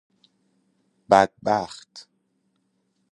بد بخت